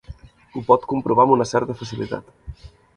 Ho pot comprovar amb una certa facilitat.